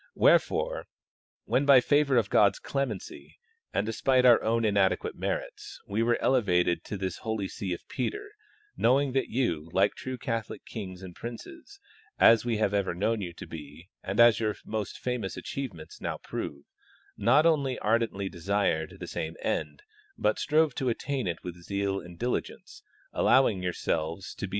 Wherefore, when b}' favor of God's clemency and despite our own inade quate merits, we were elevated to this holy see of Peter, know ing that you, like true Catholic kings and princes, as we have ever known you to be and as your m'ost famous achievements now prove, not only ardently desired the same end, but strove to attain it with all zeal and diligence, allowing yourselves to THscovery of dldaut Lands.